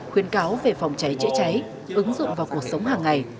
khuyến cáo về phòng cháy chữa cháy ứng dụng vào cuộc sống hàng ngày